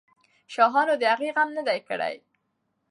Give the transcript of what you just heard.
شاهانو د هغې غم نه دی کړی.